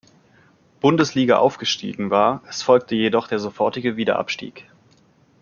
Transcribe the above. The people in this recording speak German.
Bundesliga aufgestiegen war, es folgte jedoch der sofortige Wiederabstieg.